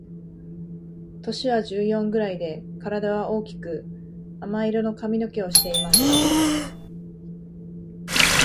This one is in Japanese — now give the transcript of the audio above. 年は十四ぐらいで、体は大きく亜麻色の髪の毛をしていました。